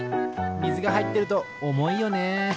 みずがはいってるとおもいよね。